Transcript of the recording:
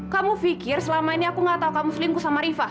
kamu pikir selama ini aku gak tahu kamu selingkuh sama rifa